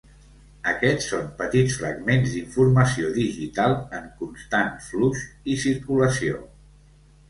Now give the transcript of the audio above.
Aquests són petits fragments d'informació digital en constant flux i circulació.